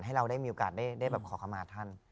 ให้เราได้มีโอกาสได้แบบขอคำมาท่าน